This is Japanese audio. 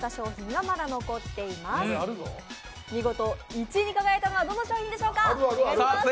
見事１位に輝いたのはどの商品でしょうか。